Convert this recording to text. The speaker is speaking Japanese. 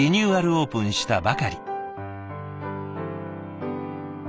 オープンしたばかり。